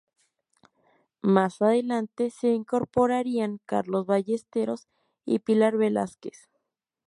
Más adelante se incorporarían Carlos Ballesteros y Pilar Velázquez.